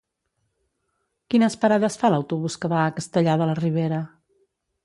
Quines parades fa l'autobús que va a Castellar de la Ribera?